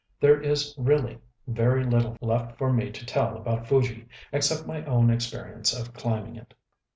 There is really very little left for me to tell about Fuji except my own experience of climbing it.